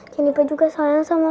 jeniper juga sayang sama papa